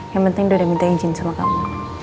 yang penting dia udah minta izin sama kamu